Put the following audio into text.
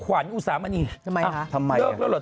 ขวานอุสามันอีกเลิกแล้วเหรอเธอทำไมค่ะ